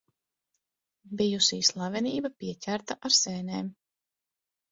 Bijusī slavenība pieķerta ar sēnēm.